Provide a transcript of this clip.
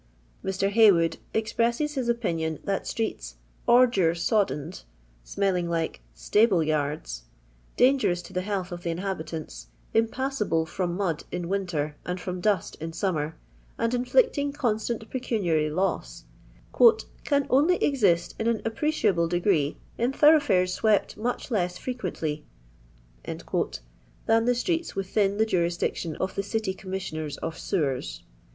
Mr. Haywood expresses his opinion that streets "ordure soddened — smelling like "stable yards," — dangerous to the health of the inhabitants impassable from mud in winter and from dust in summer — and inflicting constant pecuniary loss, "can only exist in an appreciable degree in thoroughfares swept much less frequently " than the streets within the jurisdiction of the City Commissioners of Sewers.